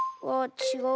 ちがう？